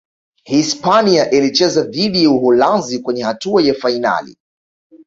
hispania ilicheza dhidi ya Uholanzi kwenye hatua ya fainali